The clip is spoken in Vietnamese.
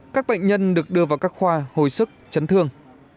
các bệnh nhân được đưa vào các khoa hồi sức chấn thương